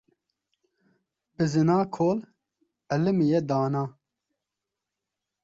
Bizina kol elimiye dana